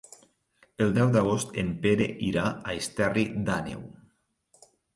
El deu d'agost en Pere irà a Esterri d'Àneu.